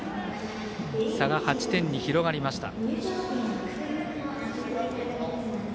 差が８点に広がりました。